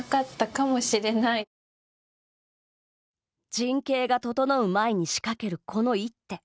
陣形が整う前に仕掛けるこの一手。